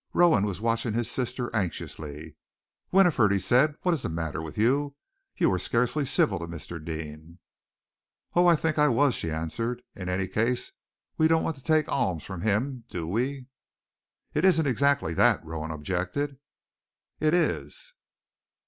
Rowan was watching his sister anxiously. "Winifred," he said, "what is the matter with you? You were scarcely civil to Mr. Deane." "Oh! I think I was," she answered. "In any case, we don't want to take alms from him, do we?" "It isn't exactly that," Rowan objected. "It is."